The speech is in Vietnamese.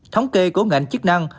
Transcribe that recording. thống kê của ngành chức năng